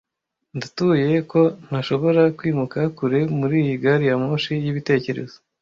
Ndatuye ko ntashobora kwimuka kure muriyi gari ya moshi y'ibitekerezo--